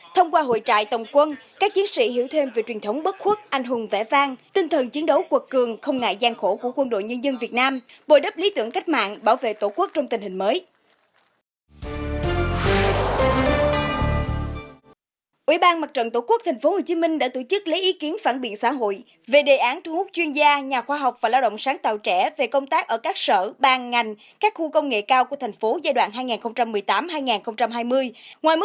thông qua hội trại tổng quân các chiến sĩ hiểu thêm về truyền thống bất khuất anh hùng vẽ vang tinh thần chiến đấu quật cường không ngại gian khổ của quân đội nhân dân việt nam bồi đắp lý tưởng cách mạng bảo vệ tổ quốc trong tình hình mới